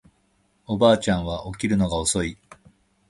おばあちゃんは起きるのが遅い